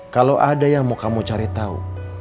kalau ada yang mau kamu cari tahu